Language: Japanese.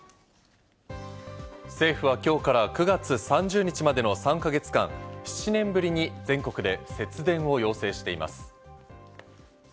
政府は今日から９月３０日までの３か月間、７年ぶりに全国で節電を要請しています。